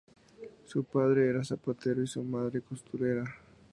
Su padre era zapatero y su madre, costurera.